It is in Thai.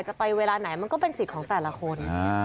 จะไปเวลาไหนมันก็เป็นสิทธิ์ของแต่ละคน